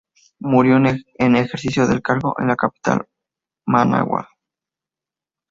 Murió en ejercicio del cargo, en la capital, Managua.